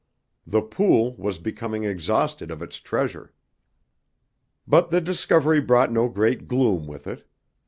The pool was becoming exhausted of its treasure! But the discovery brought no great gloom with it.